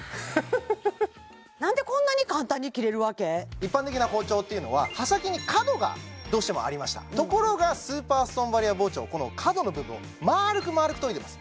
一般的な包丁っていうのは刃先に角がどうしてもありましたところがスーパーストーンバリア包丁この角の部分を丸く丸く研いでいます